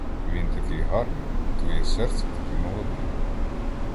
Він такий гарний, а твоє серце таке молоде.